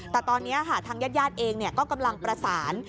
แต่ตอนนี้ทางญาติเองก็กำลังประสาน